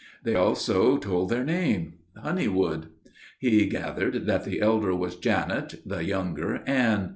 They also told their name Honeywood. He gathered that the elder was Janet, the younger Anne.